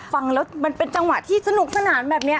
ฟังแล้วมันเป็นจังหวะที่สนุกสนานแบบนี้